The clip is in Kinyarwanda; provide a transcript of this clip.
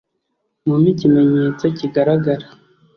mumpe ikimenyetso kigaragara